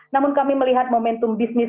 namun kami melihat momentum bisnis